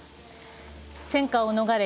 戦火を逃れ